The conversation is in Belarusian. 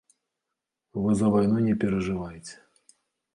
Вы за вайну не перажывайце.